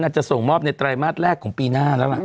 จะส่งมอบในไตรมาสแรกของปีหน้าแล้วล่ะ